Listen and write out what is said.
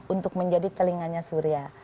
untuk menjadi telinganya surya